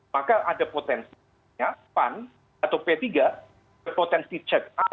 maka ada potensinya pan atau p tiga ke potensi check out